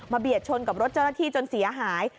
เบียดชนกับรถเจ้าหน้าที่จนเสียหาย